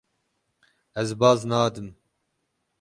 Ez baz nadim.